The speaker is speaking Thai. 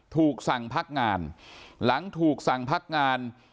ถูกสั่งพักงานหลังถูกสั่งพักงาน